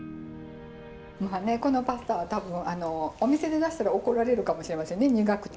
まあねこのパスタは多分お店で出したら怒られるかもしれませんね苦くて。